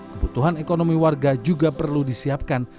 kebutuhan ekonomi warga juga perlu disiapkan